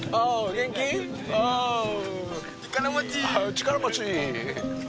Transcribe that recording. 力持ち！